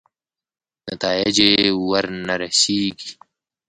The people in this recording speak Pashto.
نتایجې ورنه رسېږي.